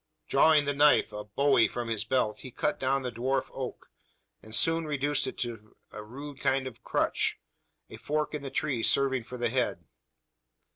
Drawing the knife a "bowie" from his belt, he cut down the dwarf oak; and soon reduced it to a rude kind of crutch; a fork in the tree serving for the head.